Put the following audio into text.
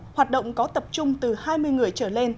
hoạt động có tập trung từ hai mươi người trở lên